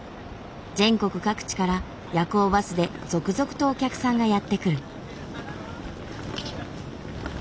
全国各地から夜行バスで続々とお客さんがやって来る。